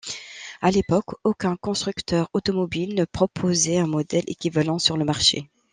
A l'époque, aucun constructeur automobile ne proposait un modèle équivalent sur le marché.